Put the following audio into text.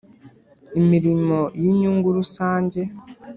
Imirimo y inyungu rusange